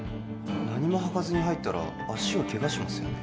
何も履かずに入ったら足をケガしますよね